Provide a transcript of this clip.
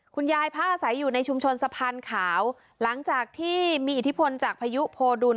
คุณยายผ้าใส่อยู่ในชุมชนสะพานขาวหลังจากที่มีอิทธิพลจากพยุโภดุล